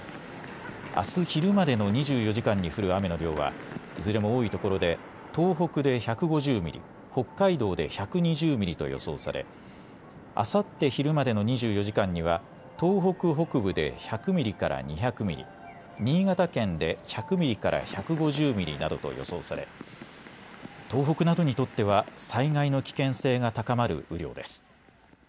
あす昼までの２４時間に降る雨の量はいずれも多いところで東北で１５０ミリ、北海道で１２０ミリと予想され、あさって昼までの２４時間には東北北部で１００ミリから２００ミリ、新潟県で１００ミリから１５０ミリなどと予想され東北などにとっては災害の危険性が高まる雨量です。